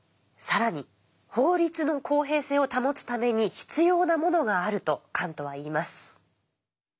更に法律の公平性を保つために必要なものがあるとカントは言います。